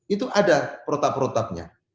itu ada protap protapnya